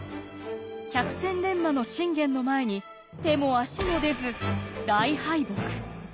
百戦錬磨の信玄の前に手も足も出ず大敗北。